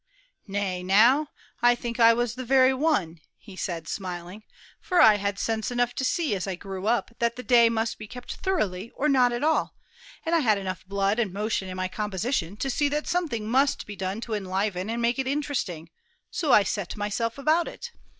"Nay, now, I think I was the very one," said he, smiling, "for I had sense enough to see, as I grew up, that the day must be kept thoroughly or not at all, and I had enough blood and motion in my composition to see that something must be done to enliven and make it interesting; so I set myself about it.